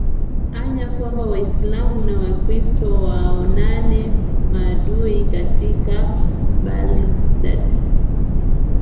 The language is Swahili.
anya kwamba waislamu na wakristo waonane maadui katika baghdad